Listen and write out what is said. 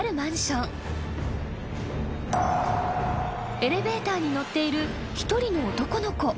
［エレベーターに乗っている一人の男の子］